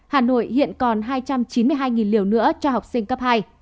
hà nội hiện còn hai trăm chín mươi hai liều nữa cho học sinh cấp hai